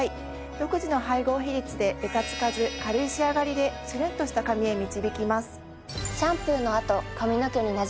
独自の配合比率でべたつかず軽い仕上がりでつるんとした髪へ導きます。